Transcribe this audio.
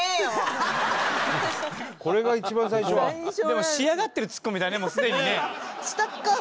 でも仕上がってるツッコミだねもうすでにね。